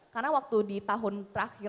karena waktu di tahun terakhir